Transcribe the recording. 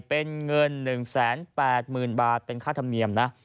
เป็นเงิน๑๘๐๐๐บาทเป็นค่าธรรมเนียมนะ